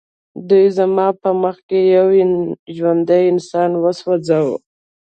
دوی زما په مخ کې یو ژوندی انسان وسوځاوه